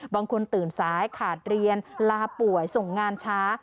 ตื่นซ้ายขาดเรียนลาป่วยส่งงานช้า